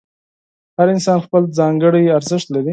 هر انسان خپل ځانګړی ارزښت لري.